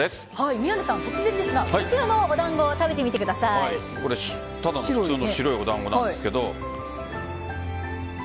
宮根さん、突然ですがこちらのお団子を普通の白いお団子なんですけど。